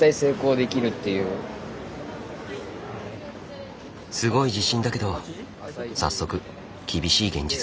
すごい自信だけど早速厳しい現実が。